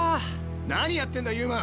何やってんだ遊馬！